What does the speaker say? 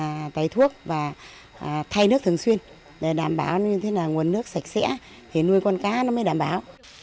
thứ hai là tấy thuốc và thay nước thường xuyên để đảm bảo như thế là nguồn nước sạch sẽ để nuôi con cá nó mới đảm bảo